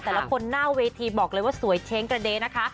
แต่ละคนหน้าเวทีบอกเลยว่าสวยเช้งกระเดนะคะ